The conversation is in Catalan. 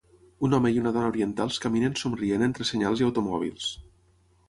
Un home i una dona orientals caminen somrient entre senyals i automòbils.